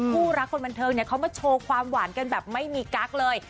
คู่รักคนบันเทิงเนี่ยเขามาโชว์ความหวานกันแบบไม่มีกั๊กเลย